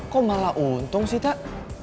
kok malah untung sih tak